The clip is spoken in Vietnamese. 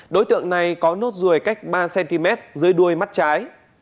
đối tượng này có nốt ruồi cách ba cm dưới đuôi mắt trái